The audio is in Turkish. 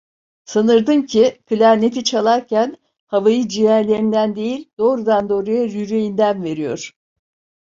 Sanırdın ki, klarneti çalarken, havayı ciğerlerinden değil, doğrudan doğruya yüreğinden veriyor.